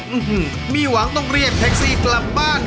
อืมมีหวังต้องเรียกแท็กซี่กลับบ้าน